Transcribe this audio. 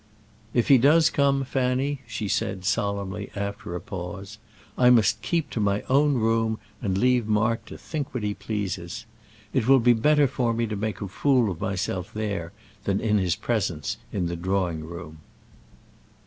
"If he does come, Fanny," she said, solemnly, after a pause, "I must keep to my own room, and leave Mark to think what he pleases. It will be better for me to make a fool of myself there, than in his presence in the drawing room."